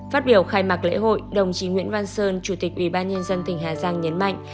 phát biểu khai mạc lễ hội đồng chí nguyễn văn sơn chủ tịch ubnd tỉnh hà giang nhấn mạnh